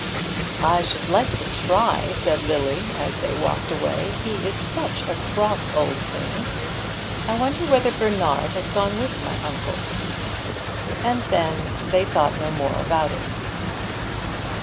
"I should like to try," said Lily as they walked away. "He is such a cross old thing. I wonder whether Bernard has gone with my uncle." And then they thought no more about it.